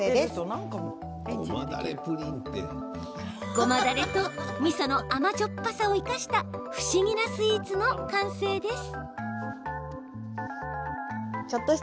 ごまだれと、みその甘じょっぱさを生かした不思議なスイーツの完成です。